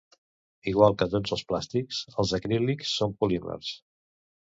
Igual que tots els plàstics, els acrílics són polímers.